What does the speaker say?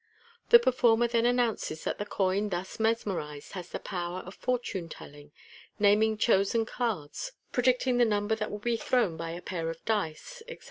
The performer then announces that the coin thus mesmerized has the power of fortune telling, naming chosen cards, predicting the number that will be thrown by a pair of dice, etc.